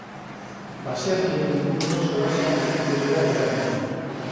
Baserrien inguruan solasean arituko dira berarekin.